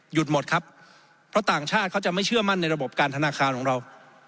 หมดครับเพราะต่างชาติเขาจะไม่เชื่อมั่นในระบบการธนาคารของเรา